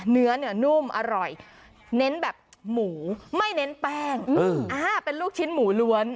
เนื้อเนี่ยนุ่มอร่อยเน้นแบบหมูไม่เน้นแป้งเป็นลูกชิ้นหมูล้วน